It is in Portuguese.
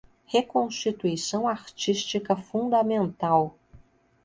Reconstituição artística fundamental